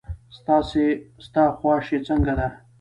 ستا خواشي څنګه ده.